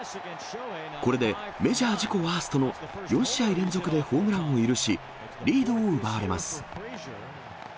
これでメジャー自己ワーストの４試合連続でホームランを許し、リードを奪われます。